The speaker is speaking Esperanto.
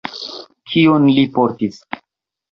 Kion li portis?